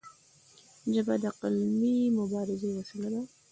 ژبه د قلمي مبارزې وسیله ده.